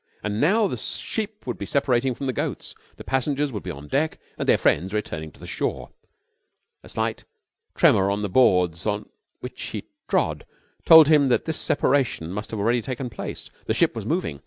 About now the sheep would be separating from the goats: the passengers would be on deck and their friends returning to the shore. A slight tremor on the boards on which he trod told him that this separation must have already taken place. The ship was moving.